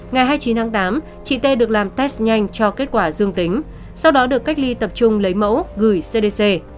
ngày hai mươi chín tháng tám chị t được làm test nhanh cho kết quả dương tính sau đó được cách ly tập trung lấy mẫu gửi cdc